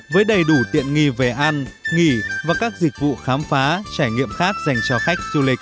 với đầy đủ tiện nghi về ăn nghỉ và các dịch vụ khám phá trải nghiệm khác dành cho khách du lịch